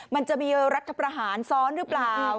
มันจะมีรัฐประหารซ้อนหรือเปล่า